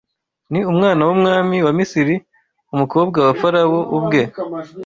Ni umwana w’umwami wa Misiri umukobwa wa Farawo ubwe